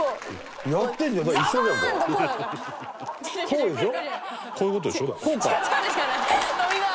こうでしょ？